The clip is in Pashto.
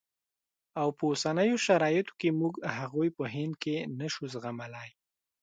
او په اوسنیو شرایطو کې موږ هغوی په هند کې نه شو زغملای.